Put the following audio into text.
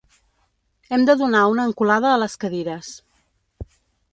Hem de donar una encolada a les cadires.